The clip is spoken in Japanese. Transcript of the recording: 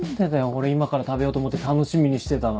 俺今から食べようと思って楽しみにしてたのに。